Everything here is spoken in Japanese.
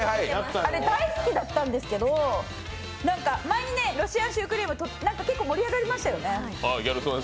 あれ大好きだったんですけど前にロシアンシュークリーム結構盛り上がりましたよね。